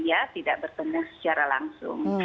dari ya tidak bertemu secara langsung